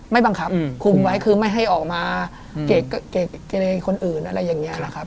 ไม่บังคับคุมไว้คือไม่ให้ออกมาเกะเกรคนอื่นอะไรอย่างนี้นะครับ